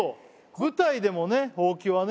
舞台でもねほうきはね